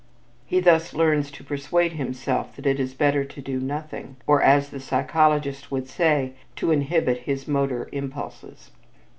He thus learns to persuade himself that it is better to do nothing, or, as the psychologist would say, "to inhibit his motor impulses."